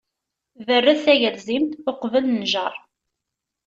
Berred tagelzimt, uqbel nnjeṛ.